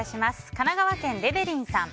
神奈川県の方。